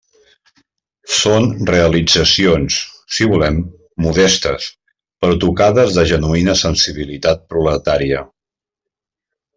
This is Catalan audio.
Són realitzacions, si volem, modestes, però tocades de genuïna sensibilitat proletària.